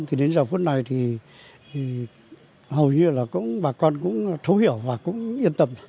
thì đến giờ phút này thì hầu như là cũng bà con cũng thấu hiểu và cũng yên tâm